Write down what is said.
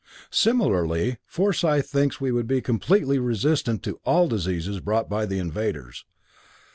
Similarly, Forsyth thinks we would be completely resistant to all diseases brought by the invaders.